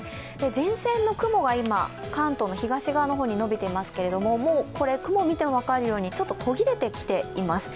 前線の雲が今、関東の東側に延びていますが雲を見ても分かるように、ちょっと途切れてきています。